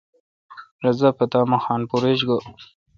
رس دا پتا می خان پور ایچ گو۔